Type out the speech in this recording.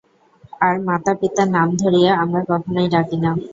আর মাতাপিতার নাম ধরিয়া আমরা কখনই ডাকি না।